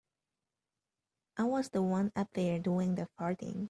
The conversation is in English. I was the one up there doing the farting.